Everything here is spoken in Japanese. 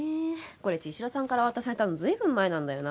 これ茅代さんから渡されたの随分前なんだよな。